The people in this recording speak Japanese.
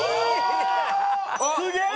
すげえ！